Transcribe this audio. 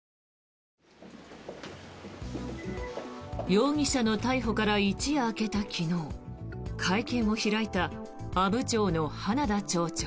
容疑者の逮捕から一夜明けた昨日会見を開いた阿武町の花田町長。